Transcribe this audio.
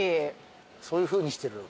そういうふうにしてる。